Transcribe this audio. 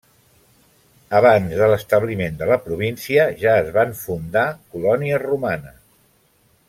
Abans de l'establiment de la província ja es van fundar colònies romanes.